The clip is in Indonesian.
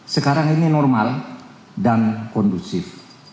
sekarang ini normal dan kondusif